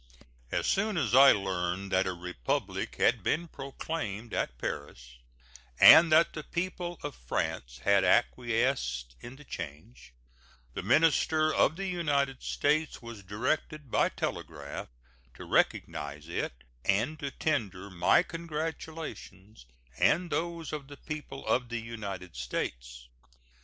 As soon as I learned that a republic had been proclaimed at Paris and that the people of France had acquiesced in the change, the minister of the United States was directed by telegraph to recognize it and to tender my congratulations and those of the people of the United States.